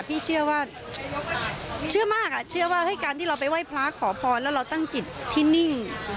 พี่เชื่อว่าเชื่อมากเชื่อว่าการที่เราไปไหว้พระขอพรแล้วเราตั้งจิตที่นิ่ง